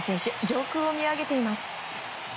上空を見上げています。